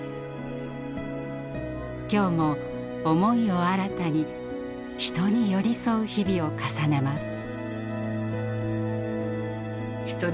今日も想いを新たに人に寄り添う日々を重ねます。